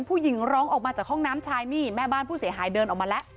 ผู้หญิงร้องออกมาจากห้องน้ำชายนี่แม่บ้านผู้เสียหายเดินออกมาแล้ว